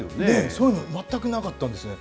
そういうの、全くなかったんですね。